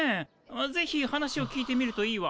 ぜひ話を聞いてみるといいわ。